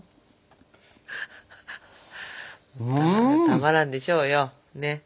たまらんでしょうよねっ。